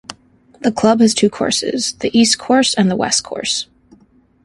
The club has two courses: the East Course, and the West Course.